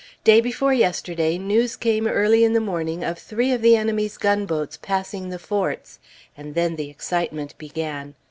Day before yesterday, news came early in the morning of three of the enemy's boats passing the Forts, and then the excitement began.